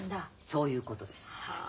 そういうことです。はあ。